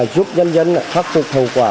giúp nhân dân khắc phục hậu quả